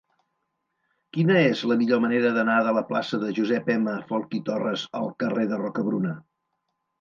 Quina és la millor manera d'anar de la plaça de Josep M. Folch i Torres al carrer de Rocabruna?